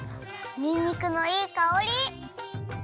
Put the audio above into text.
にんにくのいいかおり！